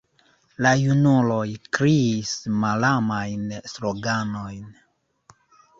La junuloj kriis malamajn sloganojn.